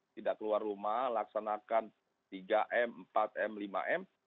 tidak keluar rumah laksanakan tiga m empat m lima m